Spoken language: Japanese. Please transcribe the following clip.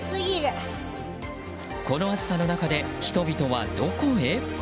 この暑さの中で人々はどこへ？